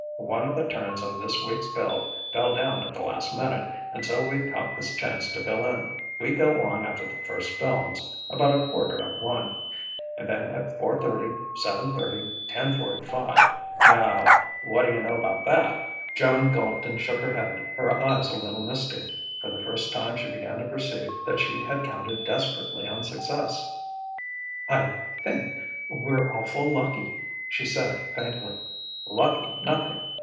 One of the turns on this week's bill fell down at the last minute, and so we cop this chance to fill in. We go on after the first films about a quarter of one; and then at four thirty, seven thirty, ten forty five. Now whadda yunno about that?" Joan gulped and shook her head, her eyes a little misty. For the first time she began to perceive that she had counted desperately on success. "I think we're awful' lucky!" she said faintly. "Lucky nothing!